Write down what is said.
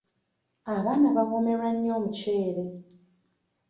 Abaana bawoomerwa nnyo omuceere.